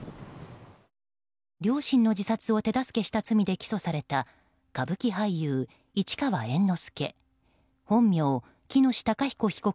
両親の自殺を手助けした罪で起訴された歌舞伎俳優、市川猿之助本名、喜熨斗孝彦被告